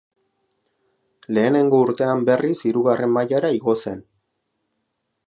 Lehenengo urtean berriz hirugarren mailara igo zen.